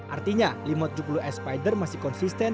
artinya lima ratus tujuh puluh spider masih konsisten